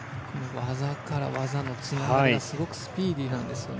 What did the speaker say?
技から技のつながりがすごくスピーディーなんですね。